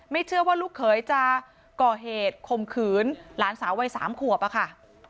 เชื่อว่าลูกเขยจะก่อเหตุคมขืนหลานสาววัย๓ขวบอะค่ะ